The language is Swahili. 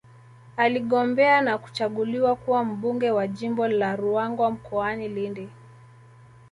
Aligombea na kuchaguliwa kuwa Mbunge wa Jimbo la Ruangwa mkoani Lindi